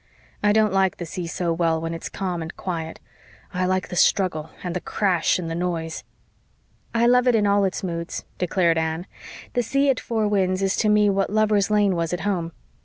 I don't like the sea so well when it's calm and quiet. I like the struggle and the crash and the noise." "I love it in all its moods," declared Anne. "The sea at Four Winds is to me what Lover's Lane was at home.